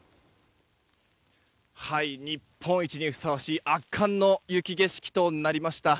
日本一にふさわしい圧巻の雪景色となりました。